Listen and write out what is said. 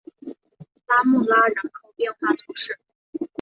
拉穆拉人口变化图示